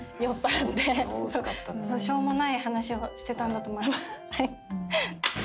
しょうもない話をしてたんだと思います。